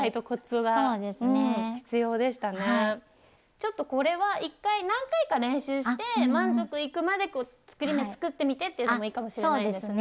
ちょっとこれは一回何回か練習して満足いくまで作り目作ってみてっていうのもいいかもしれないですね。